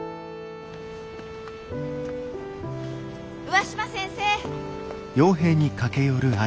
上嶋先生！